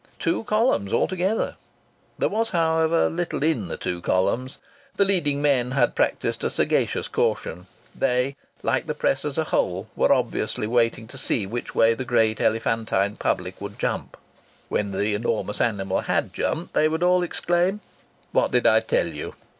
Two columns altogether! There was, however, little in the two columns. The leading men had practised a sagacious caution. They, like the press as a whole, were obviously waiting to see which way the great elephantine public would jump. When the enormous animal had jumped they would all exclaim: "What did I tell you?"